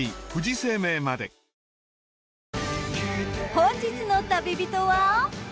本日の旅人は。